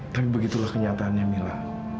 tapi begitulah kenyataannya mila